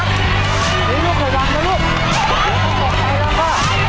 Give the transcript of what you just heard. นี่ลูกเกิดรังนะลูก